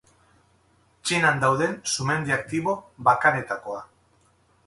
Txinan dauden sumendi aktibo bakanetakoa.